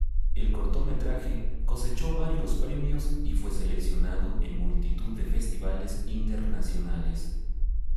El cortometraje cosechó varios premios y fue seleccionado en multitud de festivales internacionales.